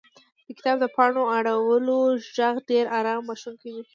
• د کتاب د پاڼو اړولو ږغ ډېر آرام بښونکی وي.